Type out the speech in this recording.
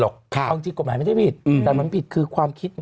กฎหมายไม่ได้ผิดหรอก